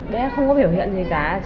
bé không có biểu hiện gì cả